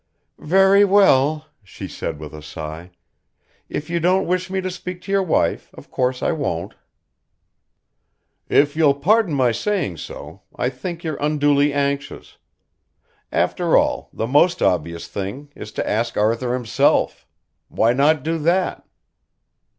"Very well," she said with a sigh. "If you don't wish me to speak to your wife, of course I won't." "If you'll pardon my saying so, I think you're unduly anxious. After all, the most obvious thing is to ask Arthur himself. Why not do that?"